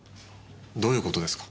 どういう事ですか？